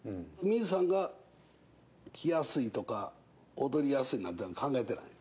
泯さんが着やすいとか踊りやすいなんてのは考えてない。